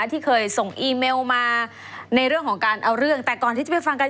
ที่เคยส่งอีเมลมาในเรื่องของการเอาเรื่องแต่ก่อนที่จะไปฟังกัน